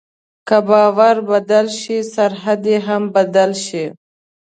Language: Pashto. که باور بدل شي، سرحد هم بدل شي.